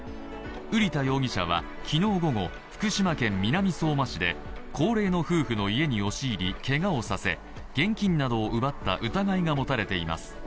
瓜田容疑者は昨日午後、福島県南相馬市で高齢の夫婦の家に押し入りけがをさせ現金などを奪った疑いが持たれています。